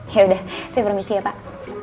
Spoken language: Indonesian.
yaudah saya permisi ya pak